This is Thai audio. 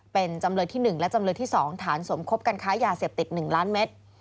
เป็นจำเลยที่๑และจำเลยที่๒ฐานสมคบกันค้ายาเสพติด๑ล้านเมตร